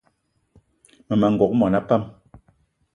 Mmema n'gogué mona pam